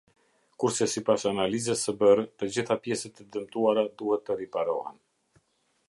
Kurse sipas analizës së bërë, të gjitha pjesët e dëmtuara duhet të riparohen.